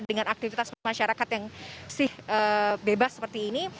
dengan aktivitas masyarakat yang bebas seperti ini